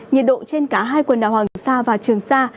nhiệt độ trên cả hai quần đảo hoàng sa và trường sa